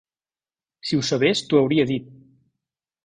Si ho sabés, t'ho hauria dit.